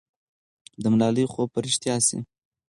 د ملالۍ خوب به رښتیا سي.